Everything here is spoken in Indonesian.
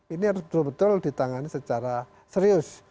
ini harus betul betul ditangani secara serius